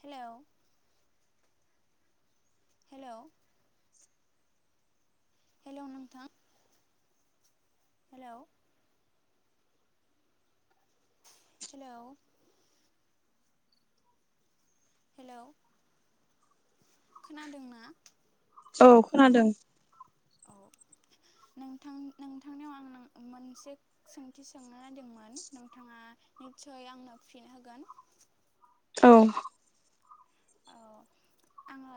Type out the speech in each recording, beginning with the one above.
Hello hello hello नोंथां hello hello hello खोनादोंना औ खोनादों औ नोंथां नोंथांनियाव आं मोनसे सोंथि सोंनो नायदोंमोन नोंथाङा निस्सय आंनो फिन होगोन औ औ आङो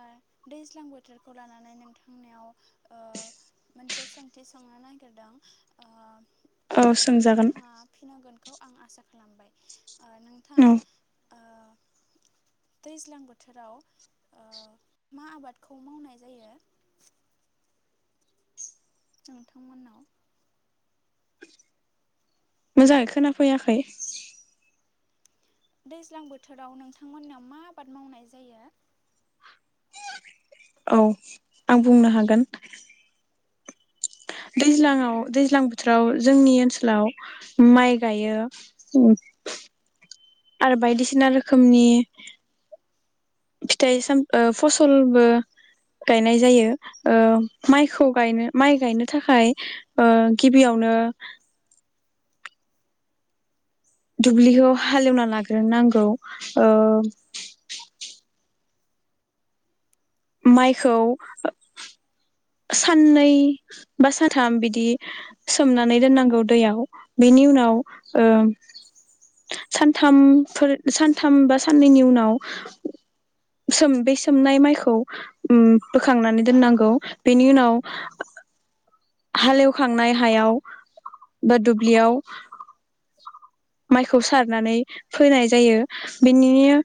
दैज्लां बोथोरखौ लानानै नोंथांनियाव मोनसे सोंथि सोंनो नागिरदों ओ औ सोंजागोन नोंथाङा फिन होगोन खौ आं आसा खालामबाय आ नोंथां औ ओ दैज्लां बोथो बोथोराव मा आबादखौ मावनाय जायो? नोंथांमोननाव मोजाङै खोनाफैयाखै दैज्लां बोथोराव नोंथांमोनाव मा आबाद मावनाय जायो औ आं बुंनो हागोन दैज्लाङाव दैज्लां बोथोराव जोंनि ओनसोलाव माइ गायो आरो बायदिसिना रोखोमनि फिथाइ साम ओ फसलबो गायनाय जायो ओ माइखौ गायनो माइ गायनो थाखाय ओ गिबियावनो दुब्लिखौ हाल एवना लाग्रो नांगौ ओ माइखौ साननै बा साथाम बिदि सोमनानै दोननांगौ दैयाव बिनि उनाव ओ सानथामफोर सानथाम बा साननैनि उनाव सोम बे सोमनाय माइखौ बोखांनानै दोननांगौ बिनि उनाव हालेवखांनाय हायाव बा दुब्लियाव माइखौ सारनानै फोनाय जायो बिनिनो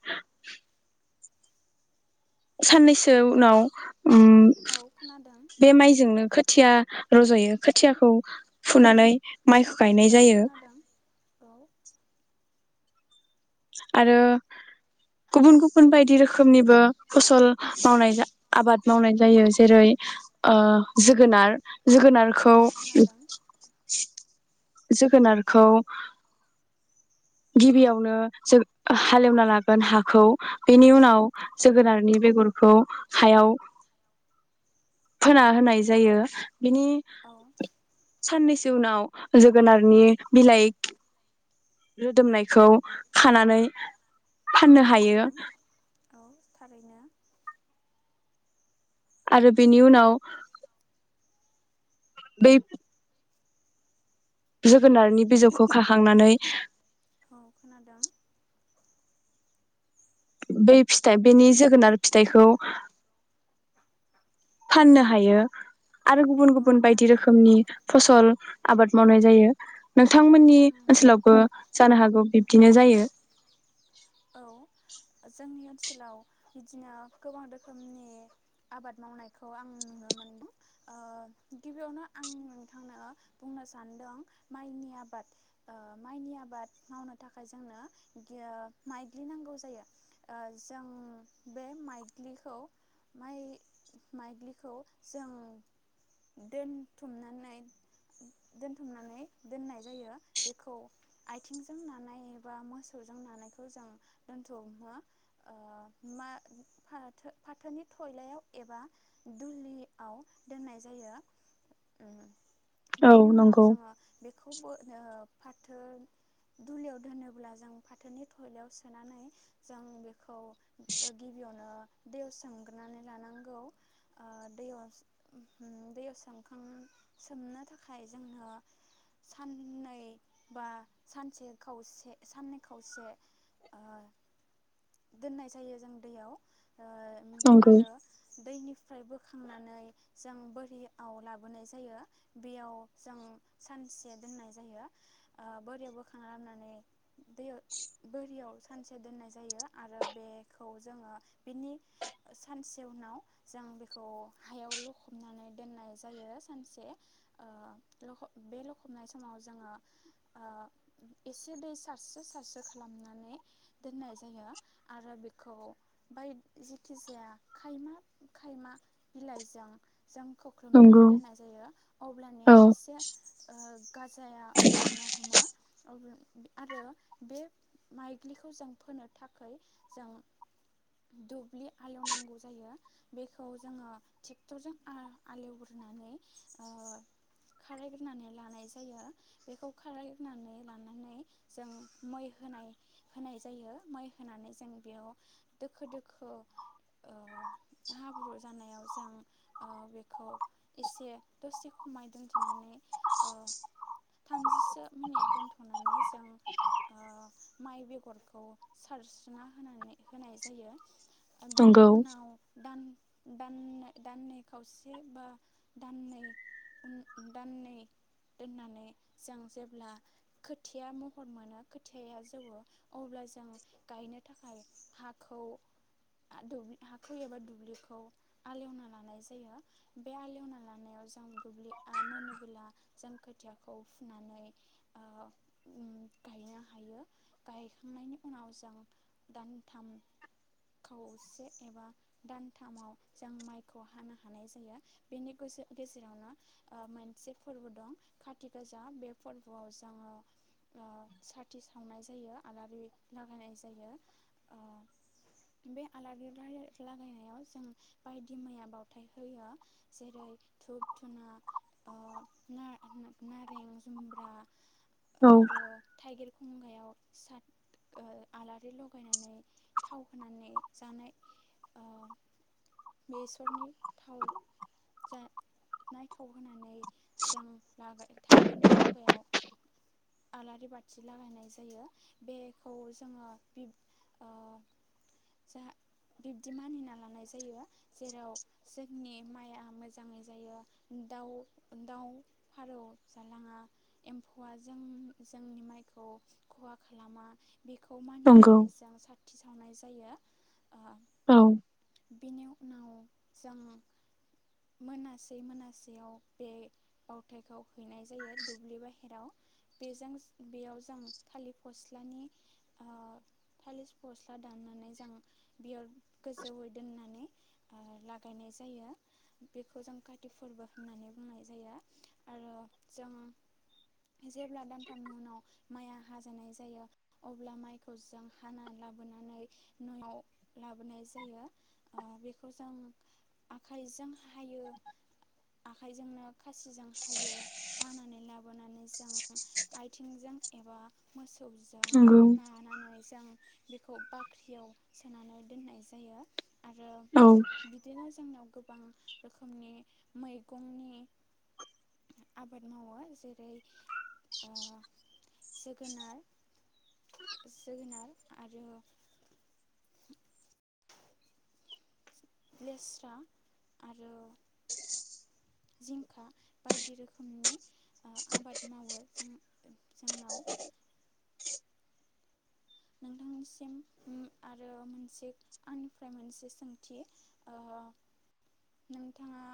साननैसो उनाव औ खोनादों बे माइजोंनो खो खोथिया रज'यो खोथियाखौ फुनानै माइखौ गायनाय औ जायो खोनादों औ आरो गुबुन गुबुन बायदि रोखोमनिबो फसल मावनाय आबाद मावनाय जायो जेरै जोगोनार जोगोनारखौ औ खोनादों जोगोनारखौ गिबियावनो जों हालेवना लागोन हाखौ बेनि उनाव औ जोगोनारनि बेगरखौ हायाव फोना होनाय जायो। बेनि औ साननैसो नि उनाव जोगोनारनि बिलाइ रोदोमनायखौ खानानै फाननो खोनादों हायो। औ थारैनो आरो बेनि उनाव बै जोगोनारनि बिजौखौ खाखांनानै औ खोनादों बै फिथाइ बेनि जोगोनार फिथाइखौ फाननो हायो। आरो गुबुन औ गुबुन बायदि खोनादों रोखोमनि फसल आबाद मावनाय जायो नोंथांमोननि खोनादों ओनसोलावबो जानो हागौ बिब्दिनो जायो। औ जोंनि ओन सोलाव बिदिनो गोबां रोखोमनि आबाद मावनायखौ आं नुनो मोनदों ओ गिबियावनो आं नोंथांनो बुंनो सानदों माइनि आबाद ओ माइनि आबाद मावनो थाखाय जोंनो गि ओ माइग्लि नांगौ जायो ओ जों बे माइग्लिखौ माइ माइग्लिखौ जों दोनथुमनानै दोनथुमनानै दोननाय जायो बेखौ आइथिंजों नानाय एबा मोसौजों नानायखौ खौ जों दोनथुमो ओ मा फाथो -फाथोनि थयलायाव एबा दुलिआव दोननाय जायो उम औ बिनि उनाव नंगौ जोङो बे खौबो ओ फाथो दुलियाव दोनोब्ला जों फाथोनि थयलायाव सोनानै जों बेखौ ओ गिबियावनो दैयाव सोमग्रोनानै लानांगौ ओ दैयाव उम हुम दैयाव सोमखां सोमनो थाखाय जोंनो साननै बा सानसे खावसे साननै खावसे ओ दोननाय जायो जों दैयाव। ओ उम नंगौ आरो दैनि फ्राय बोखांनानै जों बोरिआव लाबोनाय जायो बेयाव जों सानसे दोननाय जायो ओ बोरियाव बोखांना लाबनानै दैयाव बोरियाव सानसे दोननाय जायो आरो बेखौ जोङो बेनि ओ सानसे उनाव जों बेखौ हायाव लखबनानै दोननाय जायो सानसे ओ लख बे लखबनाय समाव जोङो ओ एसे दै सारसो सारसो खालामनानै दोननाय जायो आरो बेखौ बाय जेखि जाया खायमा खायमा बिलाइजों जों खोख्लुबनानै नंगौ दोननाय जायो अब्लानिया औ इसे ओ गाजाया अंखारनो हमो आरो बे माइग्लिखौ जों फोनो थाखै जों दुब्लि आलेवनांगौ जायो बेखौ जोङो ट्रेक्टरजों आ आलेवग्रोनानै ओ खारायग्रोनानै लानाय जायो बेखौ खारायग्रोनानै लानानै जों मै होनाय होनाय जायो। मै होनानै जों बेयाव दोखो दोखो ओ हाब्रु जानायाव जों ओ बेखौ एसे दसे खमाय दोनथ'नानै ओ थामजिसो मिनिट दोनथ'नानै जों ओ माइ बेगरखौ सारस्रोना होनानै होनाय जायो। ओ बेनि नंगौ उनाव दान दाननै-दाननै खावसे बा दाननै उन दाननै दोननानै जों जेब्ला खोथिया महर मोनो खोथि खोथिया जौवौ अब्ला जों गायनो थाखाय हाखौ हाखौ एबा दुब्लिखौ आलेवना लानाय जायो बे आलेवना लानायाव जों दुब्लिआ मोनोबोला जों खोथियाखौ फुनानै ओ गायनो हायो गायखांनायनि उनाव जों दानथाम खावसे एबा दानथामाव जों माइखौ हानो हानाय जायो बेनि गेजे- गेजेरावनो मोनसे फोरबो दं काथि गाजा बे फोरबोआव जोङो उम साथ साथि सावनाय जायो आलारि लागायनाय जायो बे आलारि लागायनायाव जों बायदि मैया बावथाय होयो जेरै धुप -धुना ओ नारें जुम्ब्रा औ आरो थाइगिर खंगायाव सा ओ आलारि लगायनानै थाव होनानै ओ जानाय बेसरनि थाव जानाय थाव होनानै जों लाग थाइगिरनि खंगायाव आलारि बाथि लागायनाय जायो बेखौ जोङो ओ बिब्दि मानिना लानाय जायो जेराव जोंनि माइआ मोजाङै जायो दाउ -दाउ फारौ जालाङा एम्फौआ जों जोंनि माइ खौ खहा खालामा बेखौ नंगौ मानिनानै जों साथि सावनाय जायो। अ औ बेनि उनाव जों मोनासे मोनासेयाव बे बावथायखौ हैनाय जायो दुब्लि बाहेराव बेजों बेयाव जों थालिर फस्लानि ओ थालिर फस्ला दाननानै जों बियाव गोजौै दोननानै ओ लागायनाय जायो बेखौजों काति फोरबो होननानै बुंनाय जायो आरो जों जेब्ला दानथामनि उनाव माइआ हाजानाय जायो अब्ला माइखौ जों हाना लाबोनानै न'आव लाबोनाय जायो ओ बेखौ जों आखाइजों हायो आखाइजोंनो खासिजों हायो हानानै लाबोनानै जों आथिंजों एबा मोसौ थौजों नंगौ नानानै जों बेखौ बाख्रियाव सोनानै दोननाय जायो। आरो औ बिदिनो जोंनाव गोब बां रोखोमनि मैगंनि आबाद मावो जेरै ओ जोगोनार जोगोनार आरो लेस्रा आरो [inaudible] जिंखा बायदि रोखोमनि ओ आबाद मावो जों जोंनाव नोंथांनिसिम म आरो मोनसे आंनिफ्राय मोनसे सोंथि ओम नोंथाङा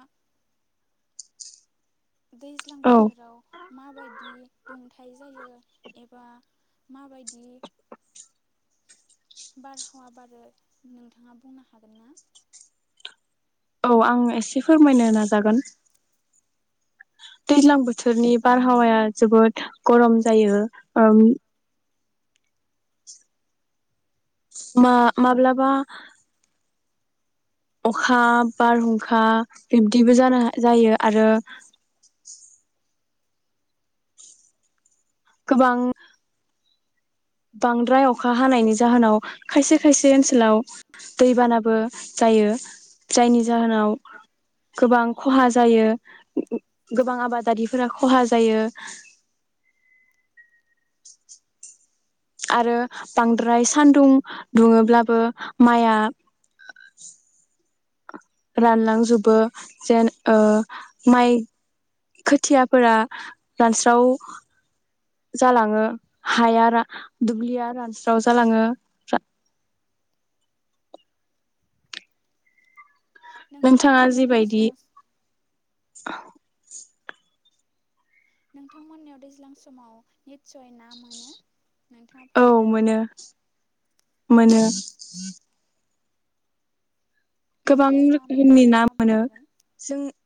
दैज्लां औ बोथोराव माबायदि दुंथाय जायो एबा माबायदि बारहावा बारो नोंथाङा बुंनो हागोन ना? औ आं एसे फोरमायनो नाजागोन दैज्लां बोथोरनि बारहावाया जोबोद गरम जायो, ओं मा माब्लाबा अखा बारहुंखा बिब्दिबो जानो जायो आरो गोबां बांद्राय अखा हानायनि जाहोनाव खायसे खायसे ओनसोलाव दैबानाबो जायो जायनि औ जाहोनाव गोबां खोनादों खहा जायो। गोबां आबादारिफोरा खहा जायो। आरो बांद्राय सानदुं दुङोब्लाबो माइआ रानलांजोबो जेन ओ माइ खोथियाफोरा रानस्राव जालाङो हाया रा दुब्लिया रानस्राव जालाङो। नोंथाङा नोंथांमोननियाव जिबायदि दैज्लां स [inaudible] नोंथांमोननियाव दैज्लां समाव नितसय ना मोनो नोंथाङा औ फोरमायनो हागोन मोनो मोनो मा गोबां मा ना मोनो रोखोमनि ना नोंथाङा बुंनो मोनो हागोन जों [inaudible]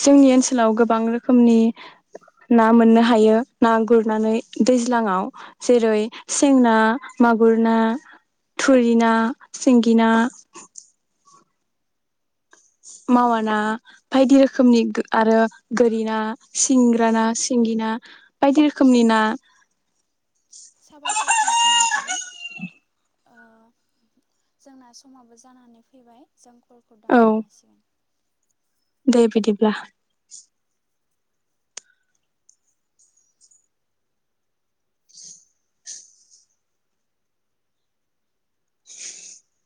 जोंनि ओनसोलाव गोबां रोखोमनि ना मोननो हायो ना गुरनानै दैज्लाङाव जेरै सें ना मागुर ना थुरि ना सिंगि ना मावा ना बायदि रोखोमनि आरो गोरि ना सिंग्रा ना सिंगि ना बायदि रोखोमनि ना साबायखर नोंथां ओ जोंना समाबो जानानै फैबाय जों कलखौ औ दाननो हासिगोन। दे बिदिब्ला। [inaudible]